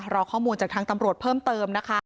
รอข้อมูลจากทางตำรวจเพิ่มเติมนะคะ